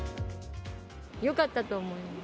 よかったと思います。